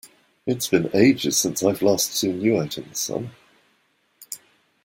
It has been ages since I've last seen you out in the sun!